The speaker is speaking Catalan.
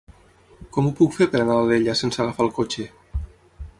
Com ho puc fer per anar a Alella sense agafar el cotxe?